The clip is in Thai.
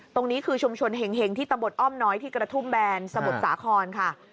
ตรงนี้คือชุมชนเห็งที่ตำบลอ้อมน้อยที่กระทุ่มแบนสมุทรสาครค่ะ